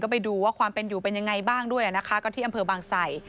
ไปดูว่าความเป็นอยู่เป็นยังไงบ้างด้วยนะคะก็ที่อำเภอบางไส